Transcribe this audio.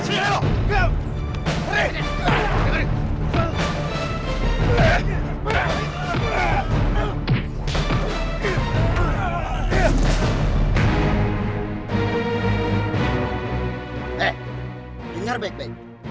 hei dengar baik baik